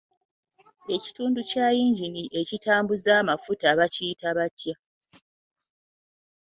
Ekitundu kya yingini ekitambuza amufuta bakiyita butya?